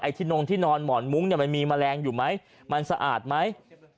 ที่นงที่นอนหมอนมุ้งมันมีแมลงอยู่ไหมมันสะอาดไหม